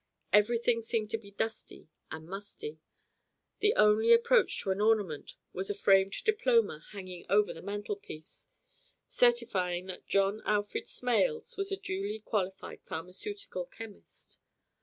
Everything seemed to be dusty and musty. The only approach to an ornament was a framed diploma hanging over the mantelpiece, certifying that John Alfred Smales was a duly qualified pharmaceutical chemist.